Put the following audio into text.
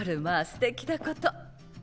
まあすてきだこと。